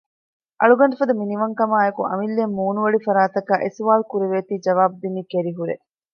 އަޅުގަނޑުފަދަ މިނިވަންކަމާއި އެކު އަމިއްލައަށް މޫނުއެޅި ފަރާތަކާ އެ ސުވާްލު ކުރެވޭތީ ޖަވާބު ދިނީ ކެރިހުރޭ